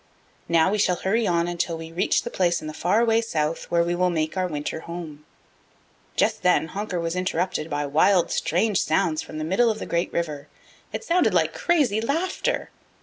Now we shall hurry on until we reach the place in the far away South where we will make our winter home." Just then Honker was interrupted by wild, strange sounds from the middle of the Great River. It sounded like crazy laughter.